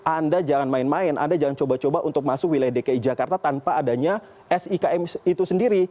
anda jangan main main anda jangan coba coba untuk masuk wilayah dki jakarta tanpa adanya sikm itu sendiri